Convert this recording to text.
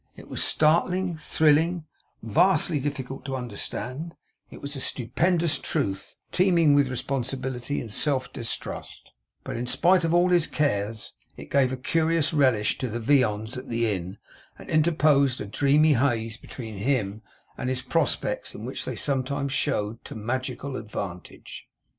It was startling, thrilling, vast, difficult to understand; it was a stupendous truth, teeming with responsibility and self distrust; but in spite of all his cares, it gave a curious relish to the viands at the Inn, and interposed a dreamy haze between him and his prospects, in which they sometimes showed to magical advantage.